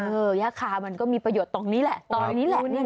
เออหญ้าคามันก็มีประโยชน์ตรงนี้แหละตรงนี้แหละเนี่ยนะ